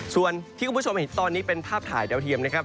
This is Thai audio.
ส่วนที่คุณผู้ชมเห็นตอนนี้เป็นภาพถ่ายดาวเทียมนะครับ